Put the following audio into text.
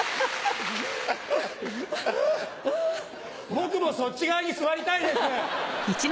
僕もそっち側に座りたいです。